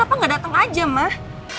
kenapa gak dateng aja mah